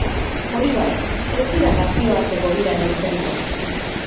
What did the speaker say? Hori bai, ez dira nazioarteko biran irtengo.